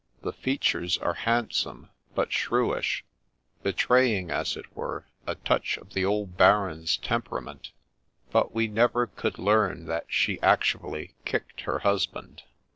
The features are handsome, but shrewish, betraying, as it were, a touch of the old Baron's temperament ; but we never could learn that she actually kicked her husband.